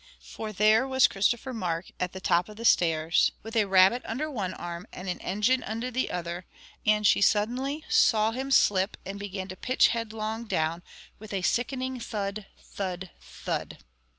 For there was Christopher Mark at the top of the stairs, with a rabbit under one arm and an engine under the other; and she suddenly saw him slip and begin to pitch head long down, with a sickening thud, thud, thud.